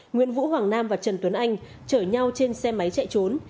nguyễn vũ hoàng nam và trần tuấn anh chở nhau trên xe máy chạy trốn